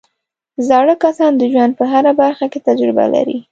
زاړه کسان د ژوند په هره برخه کې تجربه لري